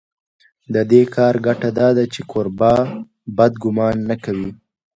د دې کار ګټه دا ده چې کوربه بد ګومان نه کوي.